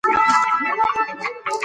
شاه د ښځو لپاره مساوي قوانین جوړ کړل.